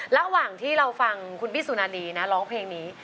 ระหว่างที่เราฟังคุณพี่สุนานีนะร้องเพลงนี้